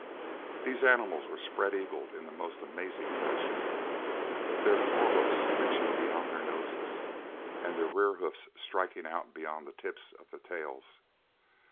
These animals were spread eagled in the most amazing fashion, their fore hoofs reaching beyond their noses and their rear hoofs striking out beyond the tips of the tails.